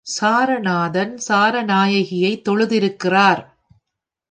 Saranathan சாரநாயகியைத் தொழுதிருக்கிறார்.